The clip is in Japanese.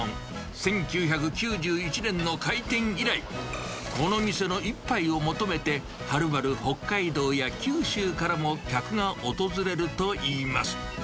１９９１年の開店以来、この店の一杯を求めて、はるばる北海道や九州からも客が訪れるといいます。